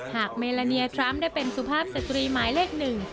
เมลาเนียทรัมป์ได้เป็นสุภาพสตรีหมายเลขหนึ่ง